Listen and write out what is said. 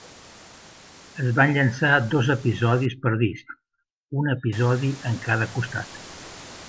Es van llançar dos episodis per disc, un episodi en cada costat.